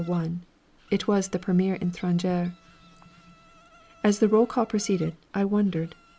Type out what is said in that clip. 1. It was the Premier Étranger. As the roll call proceeded, I wondered.